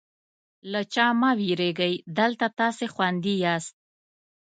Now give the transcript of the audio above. له چا مه وېرېږئ، دلته تاسې خوندي یاست.